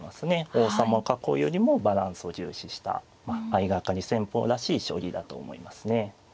王様を囲うよりもバランスを重視した相掛かり戦法らしい将棋だと思いますね。